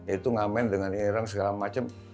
itu ngamen dengan irang segala macam